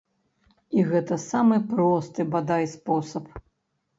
І гэта самы просты, бадай, спосаб.